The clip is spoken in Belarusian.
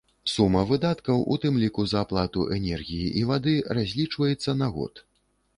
Сума выдаткаў, у тым ліку за аплату энергіі і вады, разлічваецца на год.